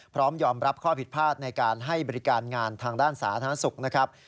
พร้อมยอมรับข้อผิดพลาดในการให้บริการงานทางด้านสาธารณสุขนะครับ